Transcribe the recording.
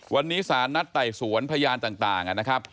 วันนี้สารนัดไต่สวนพยานต่างนะครับ